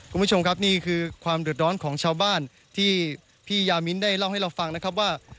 คุณผู้ชมครับนี่คือความเดือดร้อนของชาวบ้านที่พี่ยามิ้นได้เล่าให้เราฟังนะครับว่า